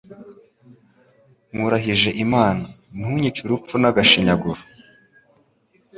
Nkurahije Imana, ntunyice urupfu n'agashinyaguro.»